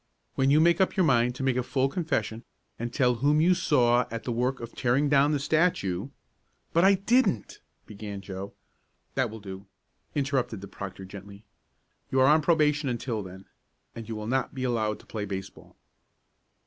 When you make up your mind to make a complete confession, and tell whom you saw at the work of tearing down the statue " "But I didn't " began Joe. "That will do," interrupted the proctor gently. "You are on probation until then. And you will not be allowed to play baseball."